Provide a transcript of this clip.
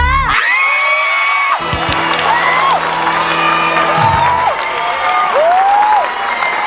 เย็นมาก